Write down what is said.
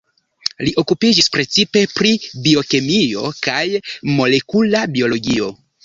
Li okupiĝis precipe pri biokemio kaj molekula biologio.